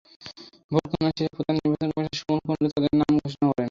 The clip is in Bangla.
ভোট গণনা শেষে প্রধান নির্বাচন কমিশনার সুমন কুণ্ডু তাঁদের নাম ঘোষণা করেন।